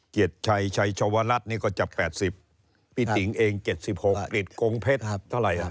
เกียรติชัยชาวรัสนี่ก็จะ๘๐พี่ติ๋งเอง๗๖กรีดโกงเพชรเท่าไหร่ไหร่